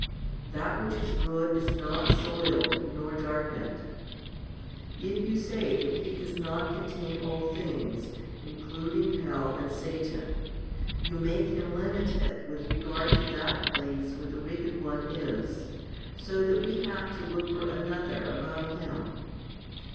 That which is good is not soiled, nor darkened. If you say that He does not contain all things, including hell and Satan, you make Him limited with regard to that place where the wicked one 1 John i. 5. HOMILY XVI 137 is, so that we have to look for another, above Him.